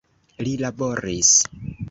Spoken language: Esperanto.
Li laboris.